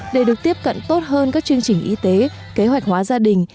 để được tiếp cận tốt hơn các chương trình y tế kế hoạch hóa gia đình